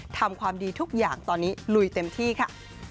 ทำความดีทุกอย่างตอนนี้ลุยเต็มที่ค่ะ